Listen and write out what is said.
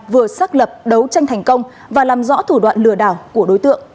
vừa xác lập đấu tranh thành công và làm rõ thủ đoạn lừa đảo của đối tượng